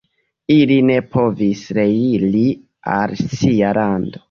Ili ne povis reiri al sia lando.